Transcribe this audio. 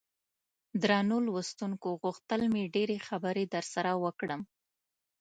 درنو لوستونکو غوښتل مې ډېرې خبرې درسره وکړم.